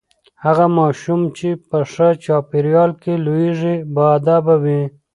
هغه ماشوم چې په ښه چاپیریال کې لوییږي باادبه وي.